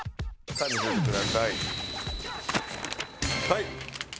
はい。